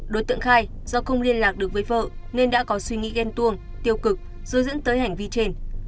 đối tượng khai do không liên lạc được với vợ nên đã có suy nghĩ ghen tuồng tiêu cực rồi dẫn tới hành vi trên